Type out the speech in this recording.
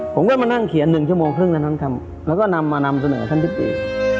ผมก็มานั่งเขียนหนึ่งชั่วโมงครึ่งนั้นทั้งคำแล้วก็นำมานำเสนอท่านที่ปี